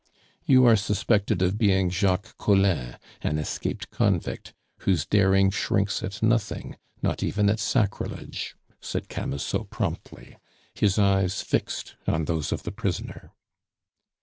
"You are suspected of being Jacques Collin, an escaped convict, whose daring shrinks at nothing, not even at sacrilege!" said Camusot promptly, his eyes fixed on those of the prisoner.